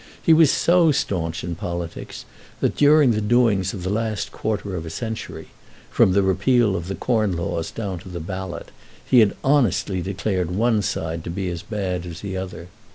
He was so staunch in politics, that during the doings of the last quarter of a century, from the repeal of the Corn Laws down to the Ballot, he had honestly declared one side to be as bad as the other.